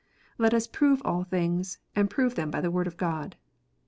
" Let us prove all things," and prove them by the Word of God.